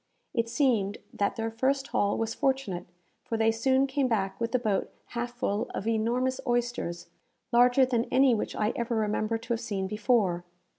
It seemed that their first haul was fortunate, for they soon came back with the boat half full of enormous oysters, larger than any which I ever remember to have seen before.